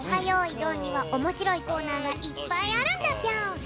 よいどん」にはおもしろいコーナーがいっぱいあるんだぴょん！